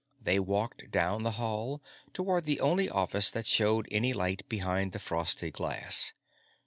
They walked down the hall, toward the only office that showed any light behind the frosted glass.